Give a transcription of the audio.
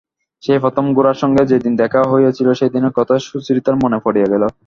সেই প্রথম গোরার সঙ্গে যেদিন দেখা হইয়াছিল সেই দিনের কথা সুচরিতার মনে পড়িয়া গেল।